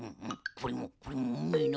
これもこれもうめえな。